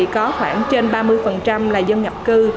có khoảng trên ba mươi là dân nhập cư